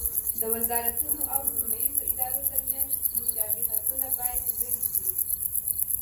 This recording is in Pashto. د وزارتونو او سیمه ییزو ادارو ترمنځ مشابهتونه باید لرې شي.